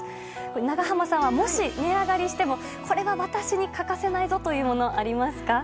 長濱さんは、もし値上がりしてもこれは私に欠かせないぞというものはありますか？